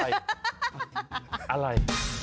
อะไร